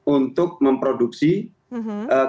untuk memproduksi kripik pisang